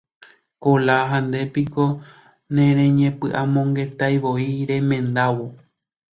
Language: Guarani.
Kola, ha ndépiko nereñepy'amongetaietevoi remendárõ.